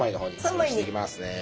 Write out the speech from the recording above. おろしていきますね。